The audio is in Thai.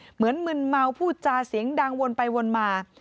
มึนเมาพูดจาเสียงดังวนไปวนมา